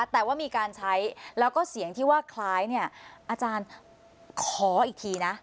แต่ว่ามีการใช้แล้วก็เสียงที่ว่าคล้ายเนี่ยอาจารย์ขออีกทีนะ